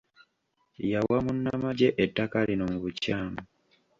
Yawa munnamagye ettaka lino mu bukyamu.